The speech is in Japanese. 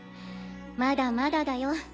まだまだだよ。